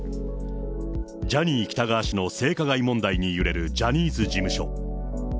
ジャニー喜多川氏の性加害問題に揺れるジャニーズ事務所。